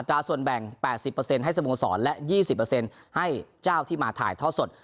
ส่วนแบ่ง๘๐ให้สโมสรและ๒๐ให้เจ้าที่มาถ่ายทอดสด